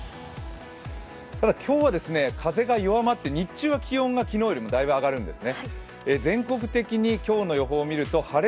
今日は風が弱まって、日中は気温が昨日よりも上がるんですね。